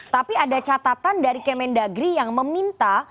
tapi ada catatan dari kementerian dalam negeri yang meminta